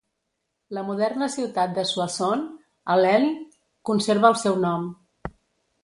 La moderna ciutat de Soissons, a l'Aisne, conserva el seu nom.